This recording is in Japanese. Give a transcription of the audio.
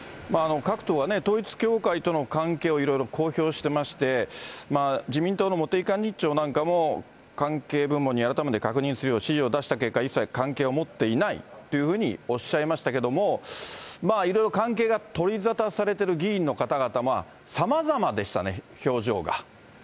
各党は統一教会との関係をいろいろ公表してまして、自民党の茂木幹事長なんかも、関係部門に改めて確認するよう指示を出した結果、一切関係を持っていないというふうにおっしゃいましたけども、いろいろ関係が取り沙汰されてる議員の方々、さまざまでしたね、表情が。